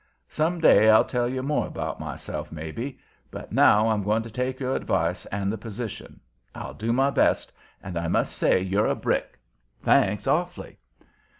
Some day I'll tell you more about myself, maybe. But now I'm going to take your advice and the position. I'll do my best, and I must say you're a brick. Thanks awfully."